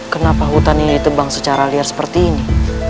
kenapa hutan ini tebang secara liar seperti ini